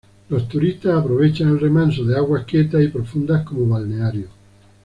Los turistas aprovechan el remanso de aguas quietas y profundas como balneario.